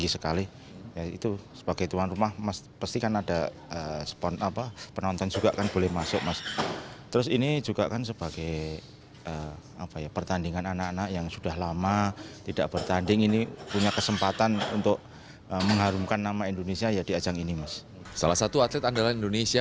salah satu atlet andalan indonesia